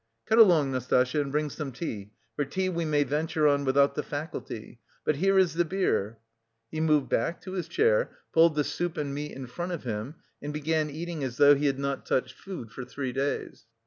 "Cut along, Nastasya, and bring some tea, for tea we may venture on without the faculty. But here is the beer!" He moved back to his chair, pulled the soup and meat in front of him, and began eating as though he had not touched food for three days.